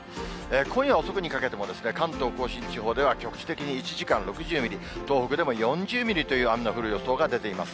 今夜遅くにかけても、関東甲信地方では局地的に１時間６０ミリ、東北でも４０ミリという雨の降る予想が出ています。